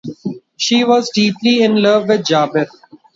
She was deeply in love with Jabir.